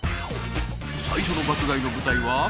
［最初の爆買いの舞台は］